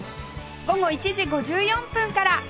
午後１時５４分から